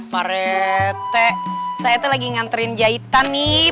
pak rete saya tuh lagi nganterin jahitan nih